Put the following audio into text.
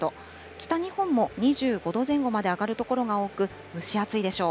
北日本も２５度前後まで上がる所が多く、蒸し暑いでしょう。